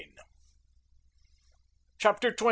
CHAPTER XX.